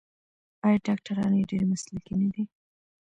آیا ډاکټران یې ډیر مسلکي نه دي؟